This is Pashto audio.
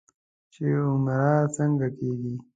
چې عمره څنګه کېږي.